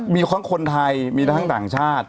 มีคนไทยมีทางต่างชาติ